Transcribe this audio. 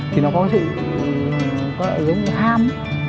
thì nó có thể giống như ham